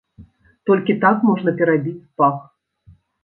Толькі так можна перабіць пах.